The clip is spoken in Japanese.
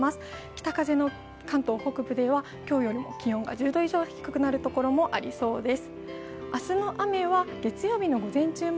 北風の関東北部では今日よりも気温が１０度以上低くなるところもありそうです。